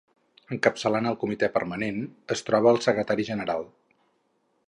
Encapçalant el Comitè Permanent es troba el secretari general.